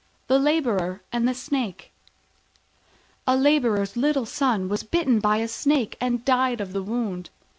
THE LABOURER AND THE SNAKE A Labourer's little son was bitten by a Snake and died of the wound.